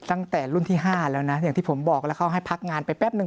ตั้งแต่รุ่นที่๕แล้วนะอย่างที่ผมบอกแล้วเขาให้พักงานไปแป๊บนึ